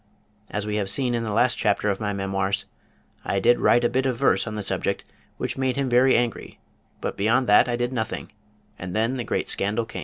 As we have seen in the last chapter of my memoirs, I did write a bit of verse on the subject which made him very angry, but beyond that I did nothing, and then the great scandal came!